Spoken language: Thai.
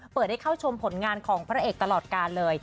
เปิดให้เข้าชมผลงานของพระเอกตลอดการเลย